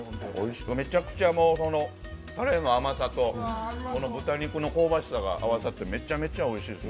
めちゃくちゃ、甘さと、豚肉の香ばしさが合わさってめちゃめちゃおいしいです。